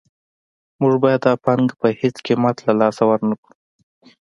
موږ باید دا پانګه په هېڅ قیمت له لاسه ورنکړو